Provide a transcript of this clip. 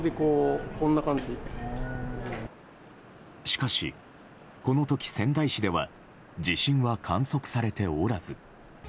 しかしこの時、仙台市では地震は観測されておらず。